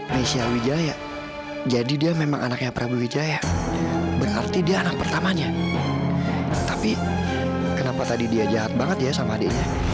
nesya wijaya jadi dia memang anaknya prabu wijaya berarti dia anak pertamanya tapi kenapa tadi dia jahat banget ya sama adiknya